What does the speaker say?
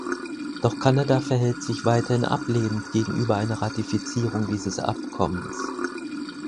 Doch Kanada verhält sich weiterhin ablehnend gegenüber einer Ratifizierung dieses Abkommens.